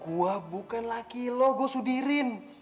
gua bukan laki lo gua sudirin